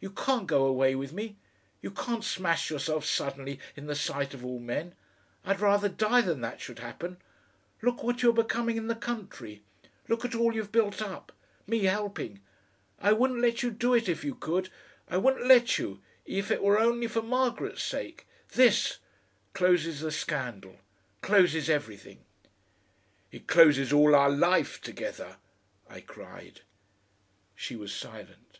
You can't go away with me. You can't smash yourself suddenly in the sight of all men. I'd rather die than that should happen. Look what you are becoming in the country! Look at all you've built up! me helping. I wouldn't let you do it if you could. I wouldn't let you if it were only for Margaret's sake. THIS... closes the scandal, closes everything." "It closes all our life together," I cried. She was silent.